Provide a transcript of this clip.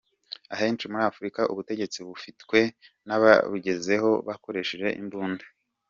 Ahenshi muri Afurika ubutegetsi bufitwe n’ ababugezeho bakoresheje imbunda.